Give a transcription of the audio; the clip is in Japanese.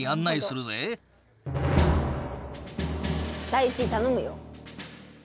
第１位頼むよ。